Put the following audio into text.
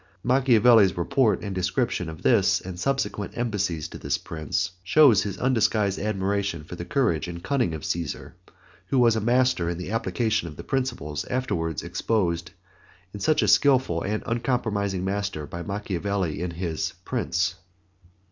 Machiavelli's report and description of this and subsequent embassies to this prince, shows his undisguised admiration for the courage and cunning of Cæsar, who was a master in the application of the principles afterwards exposed in such a skillful and uncompromising manner by Machiavelli in his Prince.